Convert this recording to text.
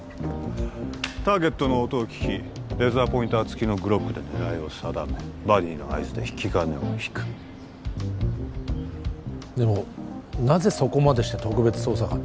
ターゲットの音を聞きレーザーポインターつきのグロックで狙いを定めバディの合図で引き金を引くでもなぜそこまでして特別捜査官に？